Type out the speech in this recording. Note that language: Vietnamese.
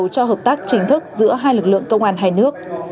cho hợp tác chính thức giữa hai lực lượng công an hai nước